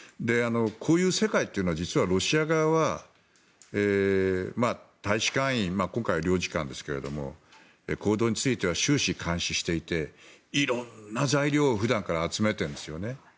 こういう世界というのは実はロシア側は大使館員今回は領事館ですけれども行動については終始監視していて色んな材料を普段から集めているんですよね。